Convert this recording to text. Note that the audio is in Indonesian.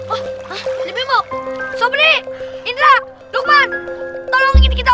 oh lebih mau sobek indra dukman tolong kita